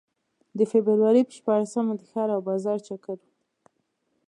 د فبروري په شپاړسمه د ښار او بازار چکر و.